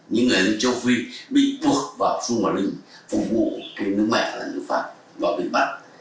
những người dân châu phi bị buộc vào trung hoa linh phục vụ nước mẹ là nước pháp và bị bắn